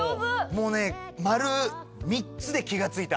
もうね丸３つで気がついた。